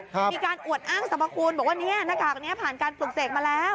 มีการอวดอ้างสรรพคุณบอกว่าเนี่ยหน้ากากนี้ผ่านการปลุกเสกมาแล้ว